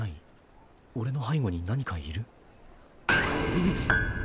俺の背後に何かいる？